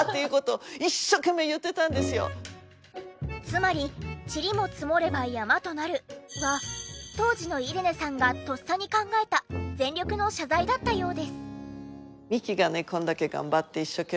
つまり「チリも積もれば山となる」は当時のイレネさんがとっさに考えた全力の謝罪だったようです。